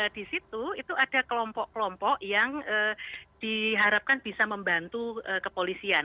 di situ itu ada kelompok kelompok yang diharapkan bisa membantu kepolisian